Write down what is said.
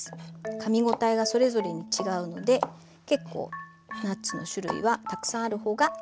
かみ応えがそれぞれに違うので結構ナッツの種類はたくさんある方がいいと思います。